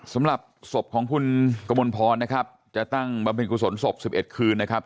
สำหรับศพของคุณกมลพรนะครับจะตั้งบำเพ็ญกุศลศพ๑๑คืนนะครับ